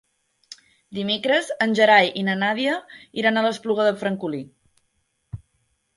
Dimecres en Gerai i na Nàdia iran a l'Espluga de Francolí.